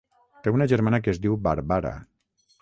Té una germana que es diu Barbara.